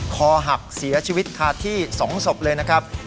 คอหักเสียชีวิตคาที่๒ศพเลยนะครับ